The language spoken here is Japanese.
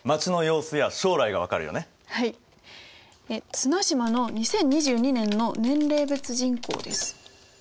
綱島の２０２２年の年齢別人口です。